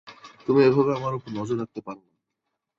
তুমি এভাবে আমার উপর নজর রাখতে পার না।